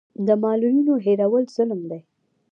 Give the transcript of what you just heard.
د معلولینو هېرول ظلم دی.